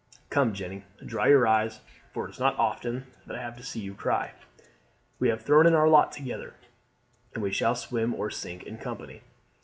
Come, Jeanne, dry your eyes, for it is not often that I have seen you cry. We have thrown in our lot together, and we shall swim or sink in company.